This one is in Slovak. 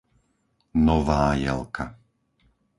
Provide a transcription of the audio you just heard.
Nová Jelka